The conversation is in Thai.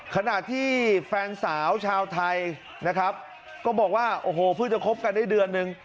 ขณะที่แฟนสาวชาวไทยนะครับก็บอกว่าโอ้โหเพิ่งจะคบกันได้เดือนนึง